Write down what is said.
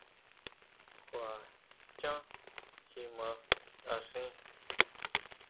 ¿Kjua xhán kjimá taáxin?